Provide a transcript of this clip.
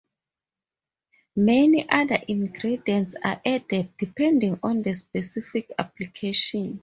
Many other ingredients are added depending on the specific application.